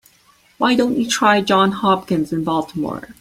Why don't you try Johns Hopkins in Baltimore?